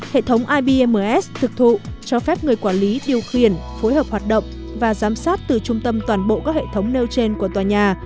hệ thống ibms thực thụ cho phép người quản lý điều khiển phối hợp hoạt động và giám sát từ trung tâm toàn bộ các hệ thống nêu trên của tòa nhà